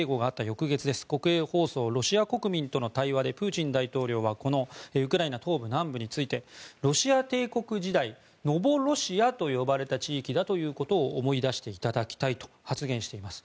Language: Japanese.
翌月国営放送「ロシア国民との対話」でプーチン大統領はウクライナ東部、南部についてロシア帝国時代ノボロシアと呼ばれた地域だと思い出していただきたいと発言しています。